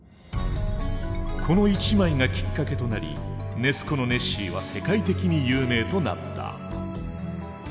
この一枚がきっかけとなりネス湖のネッシーは世界的に有名となった。